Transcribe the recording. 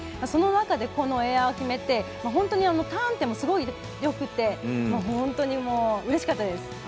その中でエアを決めて本当に、ターン点もすごいよくて本当にうれしかったです。